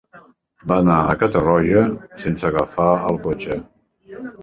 Va anar a Catarroja sense agafar el cotxe.